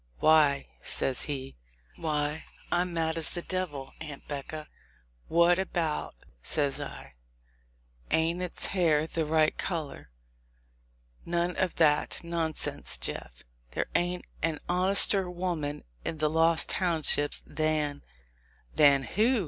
"Why," says he, "I'm mad as the devil, Aunt 'Becca !" "What about?" says I; "ain't its hair the right color? None of that nonsense, Jeff; there ain't an honester women in the Lost Townships than" — "Than who?"